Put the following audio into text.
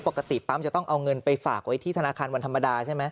ปกติปั๊มจะต้องเอาเงินไปฝากไว้ที่ธนาคารวันธรรมดาใช่ไหม